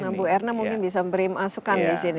nah bu erna mungkin bisa beri masukan di sini